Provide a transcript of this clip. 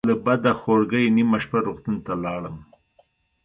له بده خورګۍ نیمه شپه روغتون ته لاړم.